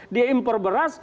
dia impor beras